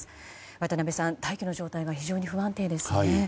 渡辺さん、大気の状態が非常に不安定ですね。